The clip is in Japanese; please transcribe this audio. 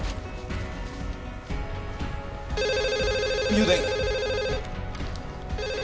入電！